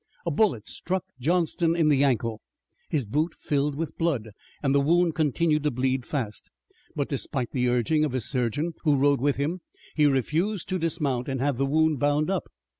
A bullet struck Johnston in the ankle. His boot filled with blood, and the wound continued to bleed fast. But, despite the urging of his surgeon, who rode with him, he refused to dismount and have the wound bound up.